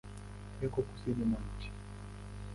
Iko kusini mwa nchi.